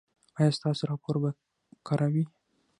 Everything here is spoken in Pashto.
ایا ستاسو راپور به کره وي؟